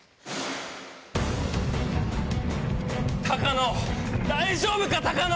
高野大丈夫か⁉高野！